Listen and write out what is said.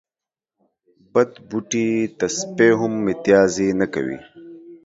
بد بوټي ته سپي هم متازې نه کوی